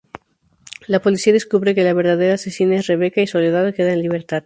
La policía descubre que la verdadera asesina es Rebeca y Soledad queda en Libertad.